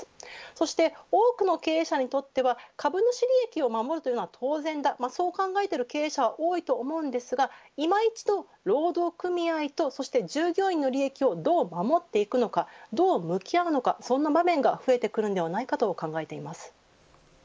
そして多くの経営者にとっては株主利益を守るというのは当然だそう考えている経営者は多いと思いますが今一度、労働組合と、そして従業員の利益をどう守っていくのかどう向き合うのか、そんな場面が増えてくるのではないかと考えています。